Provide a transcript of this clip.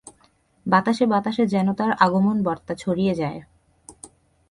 বাতাসে বাতাসে যেন তার আগমনবার্তা ছড়িয়ে যায়।